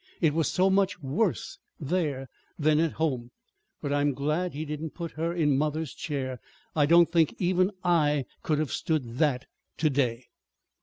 It was so much worse there than at home. But I'm glad he didn't put her in mother's chair. I don't think even I could have stood that to day!"